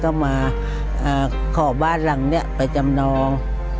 อยู่มาวร่างกายก็มาขอบ้านหลังนี้ไปจำนอง